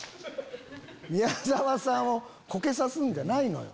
宮沢さんをコケさすんじゃないのよ。